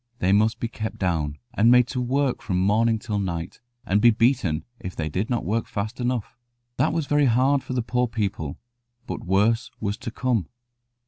They must be kept down, and made to work from morning till night, and be beaten if they did not work fast enough. That was very hard for the poor people; but worse was to come.